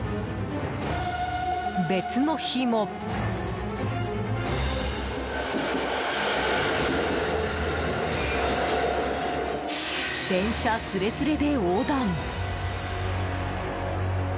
別の日も、電車すれすれで横断。